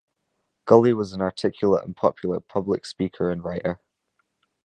Gully was an articulate and popular public speaker and writer.